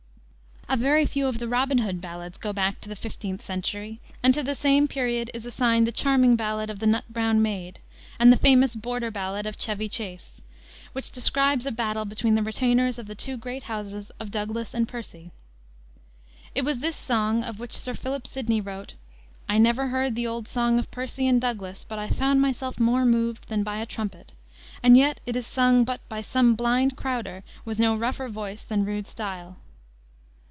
A very few of the Robin Hood ballads go back to the 15th century, and to the same period is assigned the charming ballad of the Nut Brown Maid and the famous border ballad of Chevy Chase, which describes a battle between the retainers of the two great houses of Douglas and Percy. It was this song of which Sir Philip Sidney wrote, "I never heard the old song of Percy and Douglas but I found myself more moved than by a trumpet; and yet it is sung but by some blind crouder, with no rougher voice than rude style."